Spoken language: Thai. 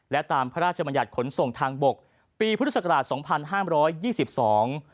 และตามพระราชบัญญัติขนส่งทางบกปีพุทธศักราชสองพันห้ามร้อยยี่สิบสอง